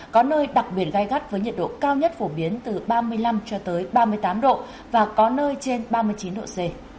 có nơi đặc biệt gai gắt với nhiệt độ cao nhất phổ biến từ ba mươi năm ba mươi tám độ và có nơi trên ba mươi chín độ c